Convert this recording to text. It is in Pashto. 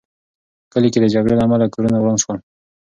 په کلي کې د جګړې له امله کورونه وران شول.